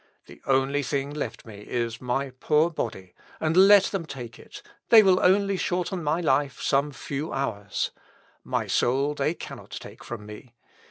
The only thing left me is my poor body, and let them take it; they will only shorten my life some few hours. My soul they cannot take from me.